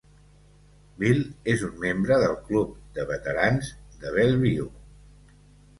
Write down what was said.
Bill és un membre del club de veterans de Bellevue.